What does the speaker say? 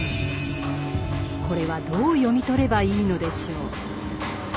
これはどう読み取ればいいのでしょう。